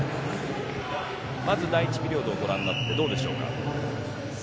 第１ピリオド、ご覧になってどうでしょうか。